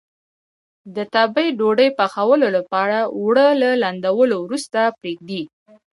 د تبۍ ډوډۍ پخولو لپاره اوړه له لندولو وروسته پرېږدي.